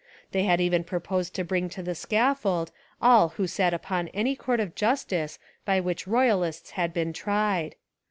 They even proposed to bring to the scaffold all who sat upon any court of justice by which Roy alists had been tried.